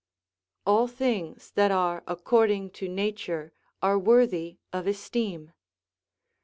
["All things that are according to nature are worthy of esteem."